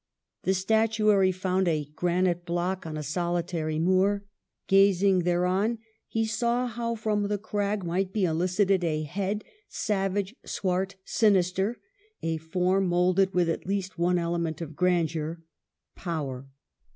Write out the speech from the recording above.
The statuary found a granite block on a solitary moor ; gazing thereon he saw how from the crag might be elicited a head, savage, swart, sinister; a form moulded with at least one ele ment of grandeur — power.